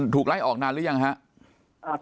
ไล่ออกนานหรือยังครับ